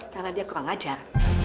karena dia kurang ajar